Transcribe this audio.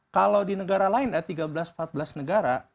kalau di negara lain ya tiga belas empat belas negara